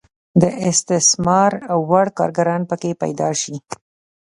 د استثمار وړ کارګران پکې پیدا شي.